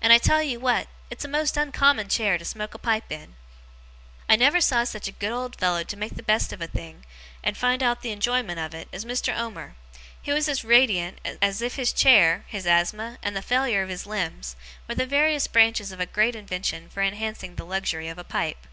And I tell you what it's a most uncommon chair to smoke a pipe in.' I never saw such a good old fellow to make the best of a thing, and find out the enjoyment of it, as Mr. Omer. He was as radiant, as if his chair, his asthma, and the failure of his limbs, were the various branches of a great invention for enhancing the luxury of a pipe.